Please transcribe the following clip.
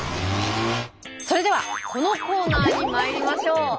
それではこのコーナーにまいりましょう。